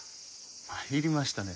参りましたね。